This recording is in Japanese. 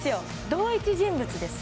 同一人物です